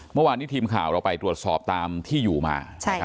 เมื่อวานนี้ทีมข่าวเราไปตรวจสอบตามที่อยู่มา